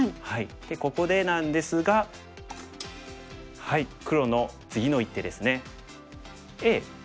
でここでなんですが黒の次の一手ですね。